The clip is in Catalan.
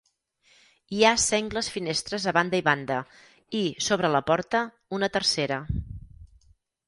Hi ha sengles finestres a banda i banda i, sobre la porta, una tercera.